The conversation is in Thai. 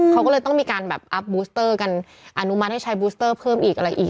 เขาก็เลยต้องมีการแบบอัพบูสเตอร์กันอนุมัติให้ใช้บูสเตอร์เพิ่มอีกอะไรอีก